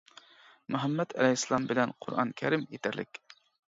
مۇھەممەت ئەلەيھىسسالام بىلەن قۇرئان كەرىم يېتەرلىك.